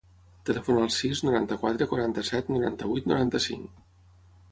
Telefona al sis, noranta-quatre, quaranta-set, noranta-vuit, noranta-cinc.